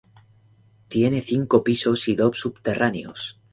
Tiene cinco pisos y dos subterráneos.